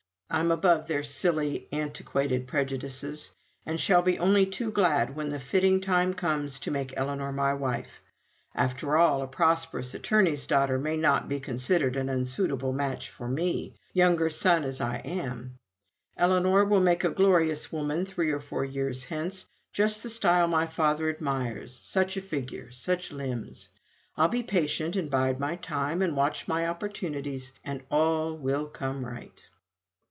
I'm above their silly antiquated prejudices, and shall be only too glad when the fitting time comes to make Ellinor my wife. After all, a prosperous attorney's daughter may not be considered an unsuitable match for me younger son as I am. Ellinor will make a glorious woman three or four years hence; just the style my father admires such a figure, such limbs. I'll be patient, and bide my time, and watch my opportunities, and all will come right."